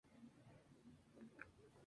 Tampoco hay registros del Uruguay.